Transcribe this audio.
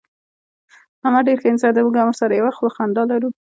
احمد ډېر ښه انسان دی. موږ هم ورسره یوه خوله خندا لرو.